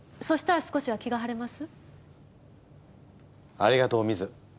ありがとうミズ。